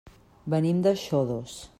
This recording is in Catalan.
Venim de Xodos.